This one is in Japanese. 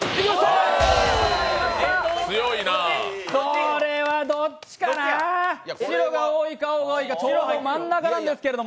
これはどっちかな白が多いか、青が多いかちょうど真ん中なんですけど。